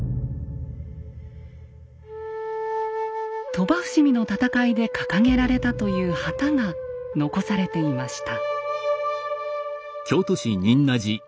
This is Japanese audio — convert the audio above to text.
鳥羽伏見の戦いで掲げられたという旗が残されていました。